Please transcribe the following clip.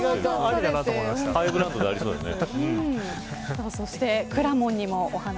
ハイブランドでありそうだよね。